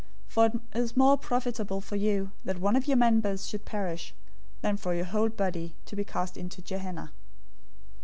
For it is more profitable for you that one of your members should perish, than for your whole body to be cast into Gehenna.